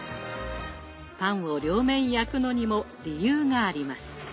パンを両面焼くのにも理由があります。